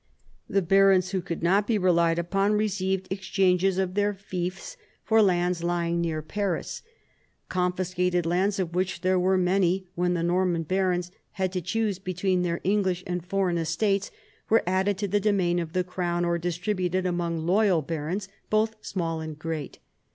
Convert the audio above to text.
The barons who could not be relied upon received exchanges of their fiefs for lands lying near Paris. in THE FALL OF THE ANGEVINS 87 Confiscated lands, of which there were many when the Norman barons had to choose between their English and foreign estates, were added to the domain of the crown or distributed among loyal barons, both small and great.